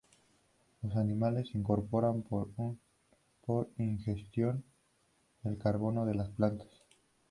Los animales incorporan, por ingestión, el carbono de las plantas.